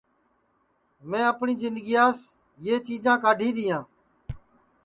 میں اپٹؔی جِندگیاس یہ چیجاں کاڈھی دؔیں